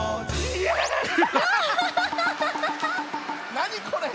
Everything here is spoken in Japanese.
なにこれ？